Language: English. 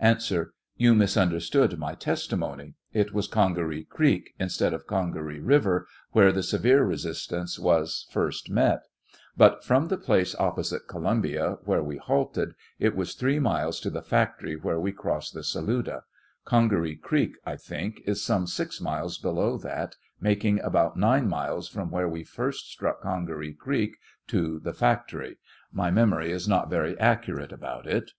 A. You misunderstood my testimony ; it was Oonga ree creek, instead of Oongaree river, where the severe resistance was first met ; but from the place opposite Columbia, where we halted, it was three miles to the factory where we crossed the Saluda ; Oongaree creek, I think, is is some six miles below that making about nine miles from where' we first struck Oongaree creek to the factory; my memory is not very accurate about it; Q.